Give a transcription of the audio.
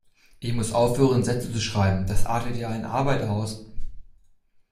Ich muss aufhören Sätze zu schreiben, das artet ja in Arbeit aus.